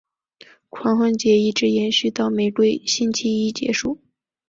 狂欢节一直延续到玫瑰星期一结束。